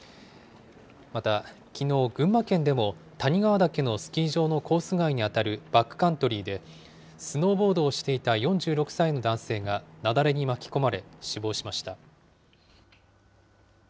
また、きのう群馬県でも谷川岳のスキー場のコース外に当たるバックカントリーで、スノーボードをしていた４６歳の男性が雪崩に巻き込まれ死亡しました。